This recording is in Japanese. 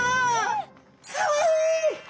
かわいい！